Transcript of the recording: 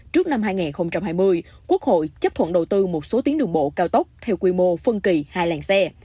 trước năm hai nghìn hai mươi quốc hội chấp thuận đầu tư một số tiến đường bộ cao tốc theo quy mô phân kỳ hai làn xe